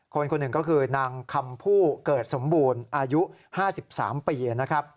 คนหนึ่งก็คือนางคำผู้เกิดสมบูรณ์อายุ๕๓ปีนะครับ